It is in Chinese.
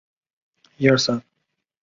董瑀让她嫁给了同乡刘进超。